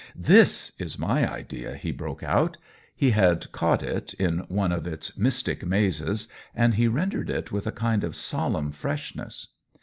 " This is my idea !" he broke out ; he had caught it, in one of its mystic mazes, and he rendered it with a kind of solemn freshness.